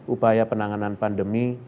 upaya penanganan pandemi